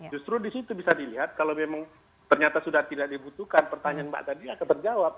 justru di situ bisa dilihat kalau memang ternyata sudah tidak dibutuhkan pertanyaan mbak tadi akan terjawab